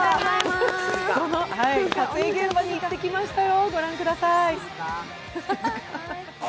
その撮影現場に出かけてきましたよ。